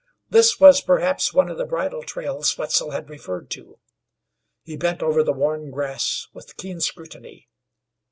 This was, perhaps, one of the bridle trails Wetzel had referred to. He bent over the worn grass with keen scrutiny.